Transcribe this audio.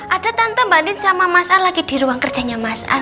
ada tante mbak nin sama mas a lagi di ruang kerjanya mas